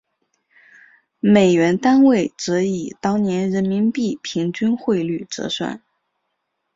美元单位则以当年人民币平均汇率折算。